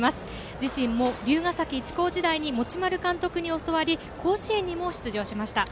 自身も竜ヶ崎一高時代に持丸監督に教わり甲子園にも出場しました。